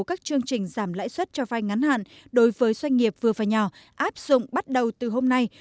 các chương trình giảm lãi suất cho vay ngắn hạn đối với doanh nghiệp vừa và nhỏ áp dụng bắt đầu từ hôm nay